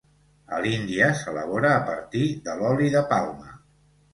A l'Índia s'elabora a partir de l'oli de palma.